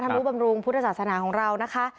รู้บำรุงพุทธศาสนาของเรานะคะ